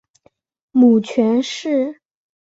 母权氏。